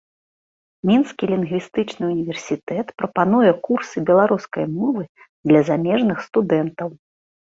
Мінскі лінгвістычны універсітэт прапануе курсы беларускай мовы для замежных студэнтаў.